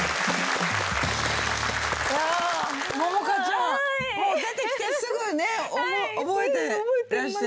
ももかちゃん、もう出てきてすぐね、覚えてました。